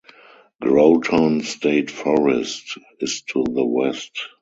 Groton State Forest is to the west.